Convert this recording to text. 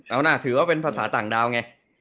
เอานะถือว่าเป็นภาษาต่างดาวไง